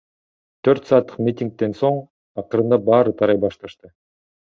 Төрт саатык митингден соң акырындап баары тарай башташты.